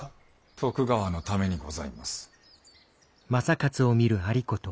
徳川のためにございます。